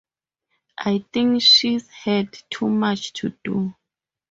I think she’s had too much to do.